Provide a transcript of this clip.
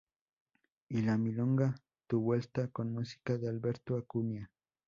Y la milonga "Tu vuelta", con música de Alberto Acuña.